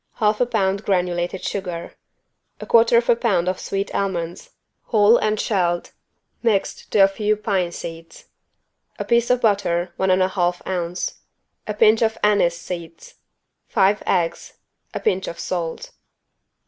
Half a pound granulated sugar. 1/4 lb. sweet almonds, whole and shelled, mixed to a few pine seeds. A piece of butter, one and a half ounce. A pinch of anise seeds. Five eggs. A pinch of salt.